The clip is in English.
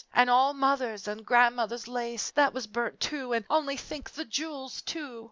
And all mother's and grandmother's lace that was burnt, too, and only think, the jewels too."